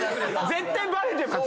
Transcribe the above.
絶対バレてますよ。